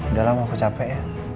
udah lama aku capek ya